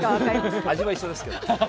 味は一緒ですけど。